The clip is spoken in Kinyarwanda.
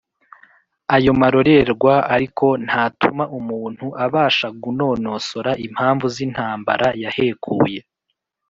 ayo marorerwa ariko ntatuma umuntu abasha gunonosora impamvu z'intambara yahekuye